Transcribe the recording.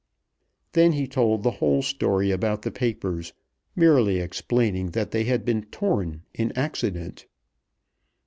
Then he told the whole story about the papers, merely explaining that they had been torn in accident.